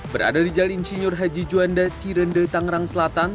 berada di jal insinyor haji juwanda cirende tanggerang selatan